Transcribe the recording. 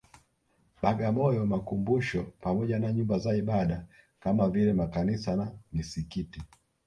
Bagamoyo makumbusho pamoja na Nyumba za Ibada kama vile Makanisa na Misikiti